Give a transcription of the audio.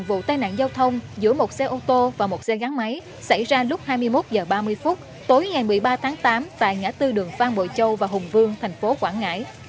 vụ tai nạn giao thông giữa một xe ô tô và một xe gắn máy xảy ra lúc hai mươi một h ba mươi phút tối ngày một mươi ba tháng tám tại ngã tư đường phan bội châu và hùng vương thành phố quảng ngãi